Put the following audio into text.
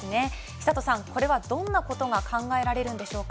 寿人さん、これはどんなことが考えられるんでしょうか？